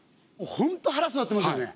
本当腹据わってますよね。